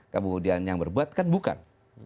kemudian yang berbuat kan bukan